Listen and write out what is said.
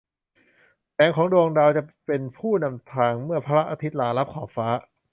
แสงของดวงดาวจะเป็นผู้นำทางเมื่อพระอาทิตย์ลาลับขอบฟ้า